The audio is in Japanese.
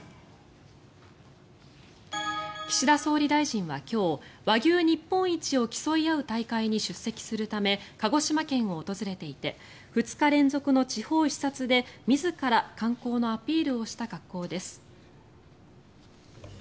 岸田総理大臣は今日和牛日本一を競い合う大会に出席するため鹿児島県を訪れていて２日連続の地方視察で自ら観光のアピールをした格好です。